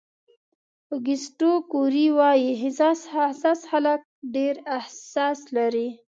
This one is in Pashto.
اوګسټو کوري وایي حساس خلک ډېر احساس لري.